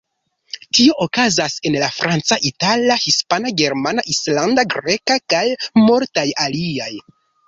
Tio okazas en la franca, itala, hispana, germana, islanda, greka, kaj multaj aliaj.